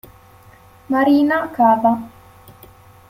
Marina Cava